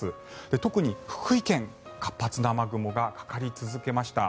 特に福井県、活発な雨雲がかかり続けました。